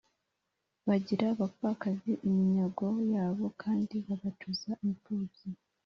bagira abapfakazi iminyago yabo, kandi bagacuza imfubyi.